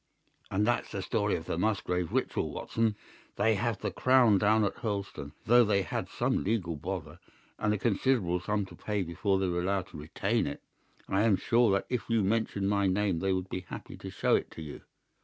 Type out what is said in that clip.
"And that's the story of the Musgrave Ritual, Watson. They have the crown down at Hurlstone—though they had some legal bother and a considerable sum to pay before they were allowed to retain it. I am sure that if you mentioned my name they would be happy to show it to you.